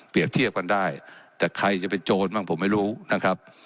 เทียบกันได้แต่ใครจะเป็นโจรบ้างผมไม่รู้นะครับ